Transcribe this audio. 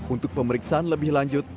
untuk pemeriksaan lebih lanjut